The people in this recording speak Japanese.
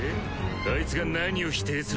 あいつが何を否定するか。